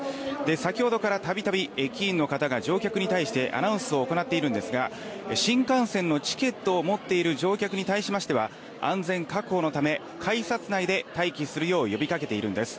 先ほどから、たびたび駅員の方が乗客に対してアナウンスを行っているんですが新幹線のチケットを持っている乗客に対しましては安全確保のため改札内で待機するよう呼びかけているんです。